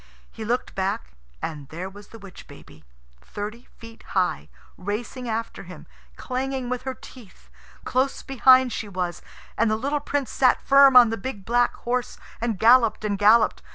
He looked back, and there was the witch baby, thirty feet high, racing after him, clanging with her teeth. Close behind she was, and the little Prince sat firm on the big black horse, and galloped and galloped.